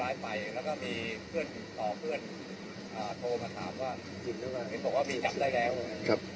แต่ตรงนั้นผมไม่ทราบเดี๋ยวข้อบูรณ์มาให้ครับ